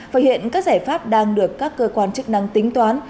và hiện các giải pháp đang được các cơ quan chức năng tính toán